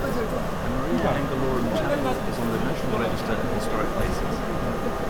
The Maria Angelorum Chapel is on the National Register of Historic Places.